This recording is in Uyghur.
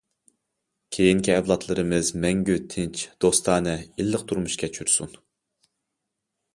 كېيىنكى ئەۋلادلىرىمىز مەڭگۈ تىنچ، دوستانە، ئىللىق تۇرمۇش كەچۈرسۇن.